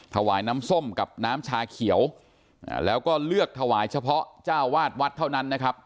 ถวายน้ำส้มกับน้ำชาเขียวแล้วก็เลือกถวายเฉพาะเจ้าวาดวัดเท่านั้นนะครับ